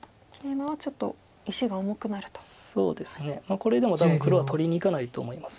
これでも多分黒は取りにいかないと思います。